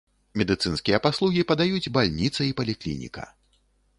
Медыцынскія паслугі падаюць бальніца і паліклініка.